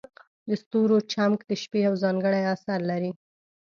د ستورو چمک د شپې یو ځانګړی اثر لري.